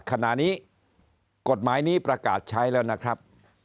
ขณะนี้กฎหมายนี้ประกาศใช้แล้วนะครับ